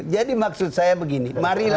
jadi maksud saya begini